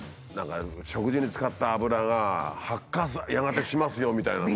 食事に使った油が発火やがてしますよみたいなさ。